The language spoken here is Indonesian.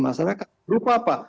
masyarakat berupa apa